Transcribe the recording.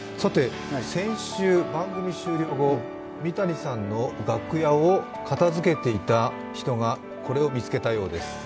先週、番組終了後、三谷さんの楽屋を片づけていた人がこれを見つけたようです。